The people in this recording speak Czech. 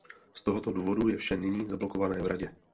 Z tohoto důvodu je vše nyní zablokováno v Radě.